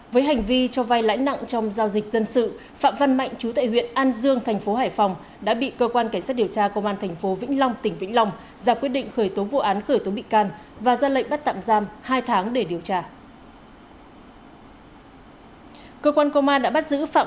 với hành vi cho vai lãi nặng trong giao dịch dân sự phạm văn mạnh chú tại huyện an dương thành phố hải phòng đã bị cơ quan cảnh sát điều tra công an tp vĩnh long tỉnh vĩnh long ra quyết định khởi tố vụ án khởi tố bị can và ra lệnh bắt tạm giam hai tháng để điều tra